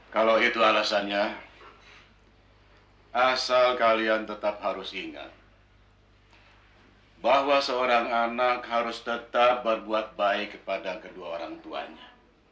kalau itu alasannya asal kalian tetap harus ingat bahwa seorang anak harus tetap berbuat baik kepada kedua orang tuanya